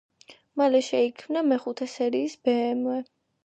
მალე შეიქმნა მეხუთე სერიის ბეემვე.